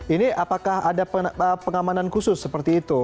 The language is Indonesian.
ini apakah ada pengamanan khusus seperti itu